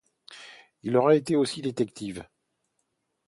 Il aurait été aussi détective.